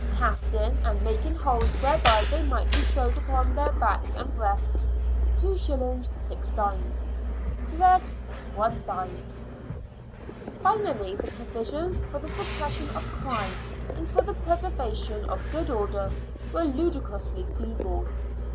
casting and making holes whereby they might be sewed upon their backs and breasts, 2S. 6d. ; thread, id." Finally, the provisions for the suppression of crime and for the preservation of good order were ludicrously feeble.